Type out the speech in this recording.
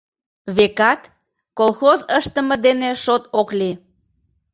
Векат, колхоз ыштыме дене шот ок лий...